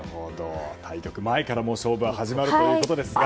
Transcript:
対局前から勝負は始まるということですが。